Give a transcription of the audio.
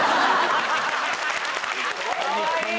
かわいい。